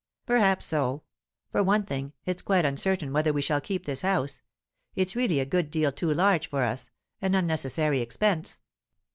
"Perhaps so. For one thing, it's quite uncertain whether we shall keep this house. It's really a good deal too large for us; an unnecessary expense.